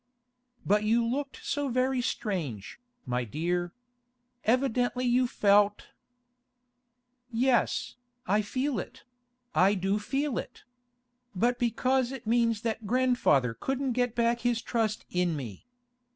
'But you looked so very strange, my dear. Evidently you felt—' 'Yes—I feel it—I do feel it! But because it means that grandfather couldn't get back his trust in me.